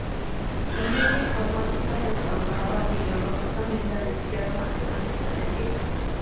Su línea informativa respaldaba ideológicamente a la izquierda nacionalista gallega.